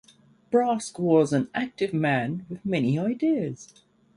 Brask was an active man with many ideas.